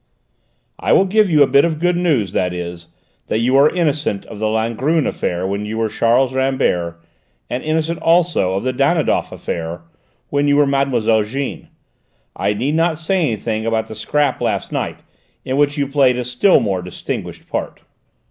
"I will give you a bit of good news; that is, that you are innocent of the Langrune affair when you were Charles Rambert, and innocent also of the Danidoff affair, when you were Mademoiselle Jeanne. I need not say anything about the scrap last night, in which you played a still more distinguished part."